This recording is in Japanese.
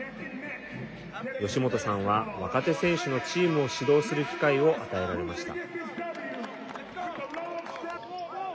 吉本さんは若手選手のチームを指導する機会を与えられました。